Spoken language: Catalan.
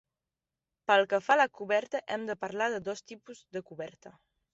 Pel que fa a la coberta hem de parlar de dos tipus de coberta.